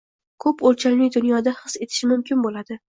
– ko‘p o‘lchamli dunyoda his etishi mumkin bo‘ladi.